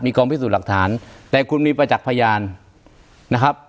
กองพิสูจน์หลักฐานแต่คุณมีประจักษ์พยานนะครับ